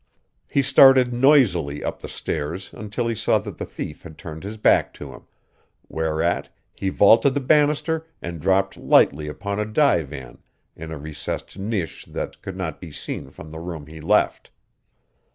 He started noisily up the stairs until he saw that the thief had turned his back to him, whereat he vaulted the banister and dropped lightly upon a divan in a recessed niche that could not be seen from the room he left.